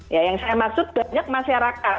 ya yang saya maksud banyak masyarakat